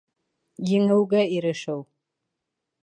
Еңеүгә ирешеү